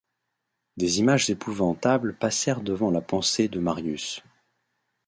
Des images épouvantables passèrent devant la pensée de Marius.